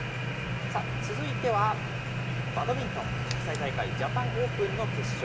続いてはバドミントン、国際大会ジャパンオープンの決勝。